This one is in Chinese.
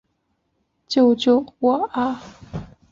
救救我啊！